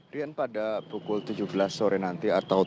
rian pada pukul tujuh belas sore nanti atau